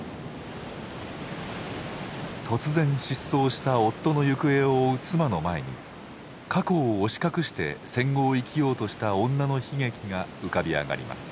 突然失踪した夫の行方を追う妻の前に過去を押し隠して戦後を生きようとした女の悲劇が浮かび上がります。